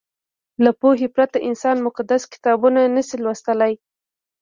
له پوهې پرته انسان مقدس کتابونه نه شي لوستلی.